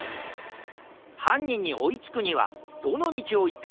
はんにんにおいつくにはどのみちをいったらいいかな？